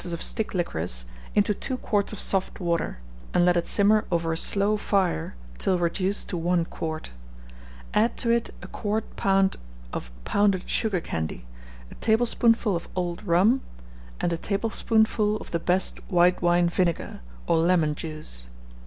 of stick liquorice, into 2 quarts of soft water, and let it simmer over a slow fire till reduced to one quart; add to it 1/4 lb. of pounded sugar candy, a tablespoonful of old rum, and a tablespoonful of the best white wine vinegar, or lemon juice.